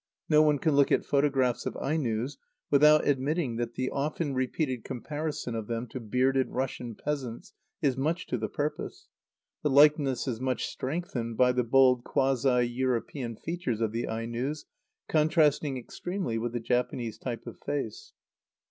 No one can look at photographs of Ainos without admitting that the often repeated comparison of them to bearded Russian peasants is much to the purpose. The likeness is much strengthened by the bold quasi European features of the Ainos contrasting extremely with the Japanese type of face.